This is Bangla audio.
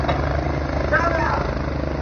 তিনি দয়াময়ী দেবী কে বিয়ে করেন ।